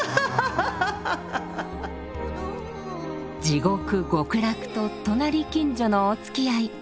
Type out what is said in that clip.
地獄・極楽と隣近所のおつきあい。